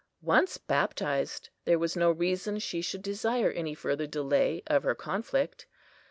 Once baptised, there was no reason she should desire any further delay of her conflict.